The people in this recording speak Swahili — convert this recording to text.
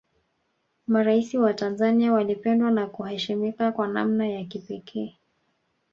maraisi wa tanzania walipendwa na kuheshimika kwa namna ya kipekee